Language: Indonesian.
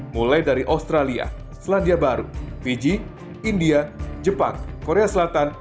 mulai dari australia selandia baru fiji india jepang korea selatan